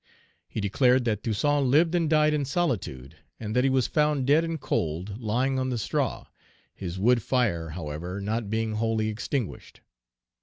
He declared that Toussaint lived and died in solitude; and that he was found dead and cold, lying on the straw, his wood fire, however, not being wholly extinguished.